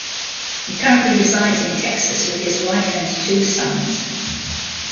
He currently resides in Texas with his wife and two sons.